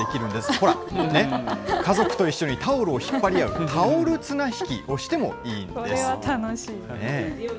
ほらね、家族と一緒にタオルを引っ張り合う、タオル綱引きをしてこれは楽しい。